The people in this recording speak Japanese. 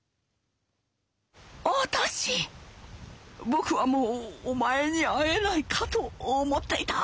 僕はもうお前に逢えないかと思っていた」。